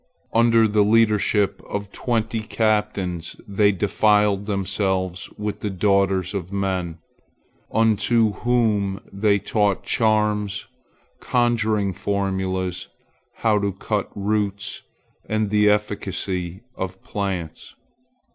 Under the leadership of twenty captains they defiled themselves with the daughters of men, unto whom they taught charms, conjuring formulas, how to cut roots, and the efficacy of plants.